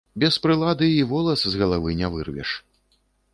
Без прылады і волас з галавы не вырвеш.